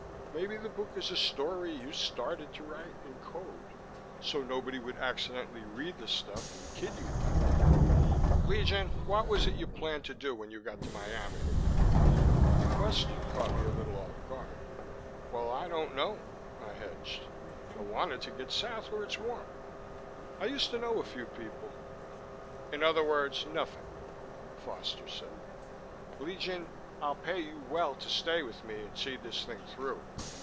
Maybe the book is a story you started to write in code, so nobody would accidentally read the stuff and kid you about it." "Legion, what was it you planned to do when you got to Miami?" The question caught me a little off guard. "Well, I don't know," I hedged. "I wanted to get south, where it's warm. I used to know a few people " "In other words, nothing," Foster said. "Legion, I'll pay you well to stay with me and see this thing through."